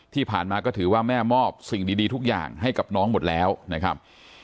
ที่ผ่านมาก็ถือว่าแม่มอบสิ่งดีทุกอย่างให้กับน้องหมดแล้วนะครับ